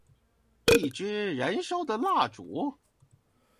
一支燃燒的蠟燭